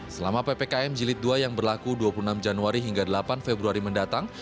selama ppkm jilid dua yang berlaku dua puluh enam januari hingga delapan februari mendatang